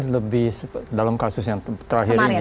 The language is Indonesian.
lebih dalam kasus yang terakhir ini